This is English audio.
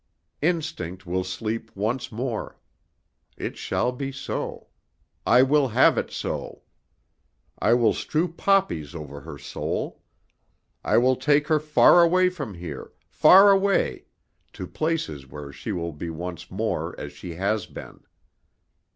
Instinct will sleep once more. It shall be so. I will have it so. I will strew poppies over her soul. I will take her far away from here, far away, to places where she will be once more as she has been.